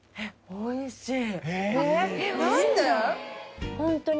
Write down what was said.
おいしい！